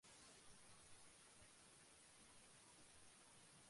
তাকে আমার আন্তরিক ভালবাসা জানাবেন এবং তাকে অত্যধিক কাজ করতে দেবেন না।